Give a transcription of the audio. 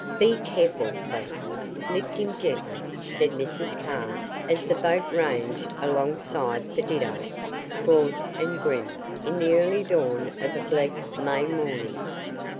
"Be careful, please! Lift him gently!" said Mrs. Carr, as the boat ranged alongside the Dido, gaunt and grim, in the early dawn of a bleak May morning.